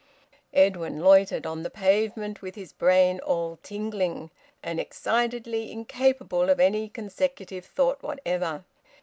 Edwin loitered on the pavement, with his brain all tingling, and excitedly incapable of any consecutive thought whatever.